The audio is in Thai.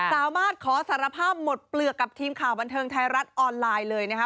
สามารถขอสารภาพหมดเปลือกกับทีมข่าวบันเทิงไทยรัฐออนไลน์เลยนะคะ